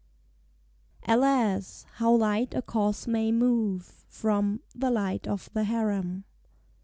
ALAS! HOW LIGHT A CAUSE MAY MOVE. FROM "THE LIGHT OF THE HAREM."